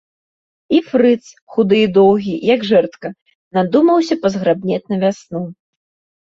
І фрыц, худы і доўгі, як жэрдка, надумаўся пазграбнець на вясну.